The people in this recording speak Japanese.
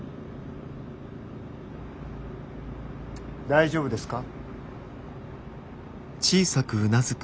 大丈夫ですか？